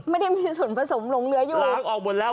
ไม่ได้มีส่วนผสมหลงเหลืออยู่ล้างออกหมดแล้ว